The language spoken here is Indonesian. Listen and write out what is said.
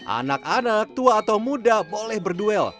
anak anak tua atau muda boleh berduel